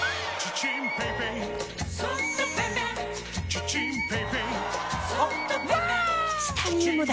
チタニウムだ！